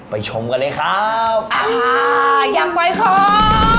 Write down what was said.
ไปชมกันเลยครับอ่าอยากปล่อยของ